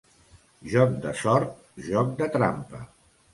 Joc de sort, joc de trampa.